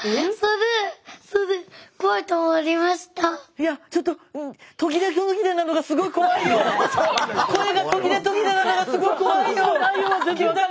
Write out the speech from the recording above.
いやちょっと声が途切れ途切れなのがすごい怖いよ玖太君。